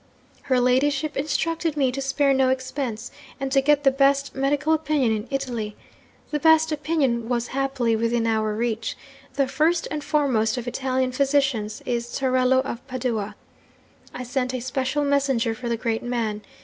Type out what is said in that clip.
'"Her ladyship instructed me to spare no expense, and to get the best medical opinion in Italy. The best opinion was happily within our reach. The first and foremost of Italian physicians is Torello of Padua. I sent a special messenger for the great man.